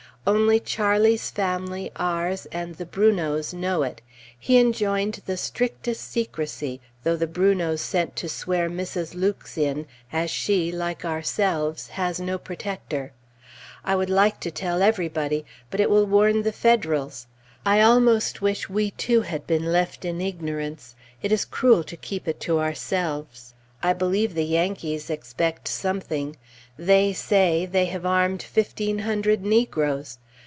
Only Charlie's family, ours, and the Brunots know it. He enjoined the strictest secrecy, though the Brunots sent to swear Mrs. Loucks in, as she, like ourselves, has no protector. I would like to tell everybody; but it will warn the Federals. I almost wish we, too, had been left in ignorance; it is cruel to keep it to ourselves. I believe the Yankees expect something; "they say" they have armed fifteen hundred negroes.